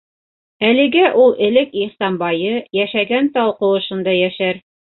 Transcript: Әлегә ул элек Ихсанбайы йәшәгән тау ҡыуышында йәшәр.